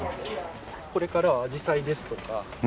これからはアジサイですとか。